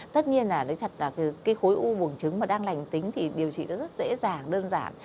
tất nhiên là nói thật là cái khối u buồng trứng mà đang lành tính thì điều trị nó rất dễ dàng đơn giản